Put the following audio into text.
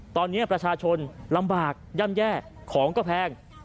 ตอนนี้ประชาชนลำบากย่ำแย่ของก็แพง